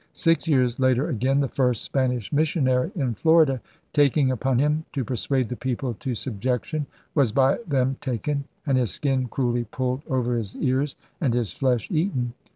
Six years later again, the first Spanish missionary in Florida 'taking upon him to persuade the people to subjection, was by them taken, and his skin cruelly pulled over his ears, and his flesh eaten.'